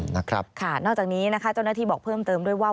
นอกจากนี้นะคะเจ้าหน้าที่บอกเพิ่มเติมด้วยว่า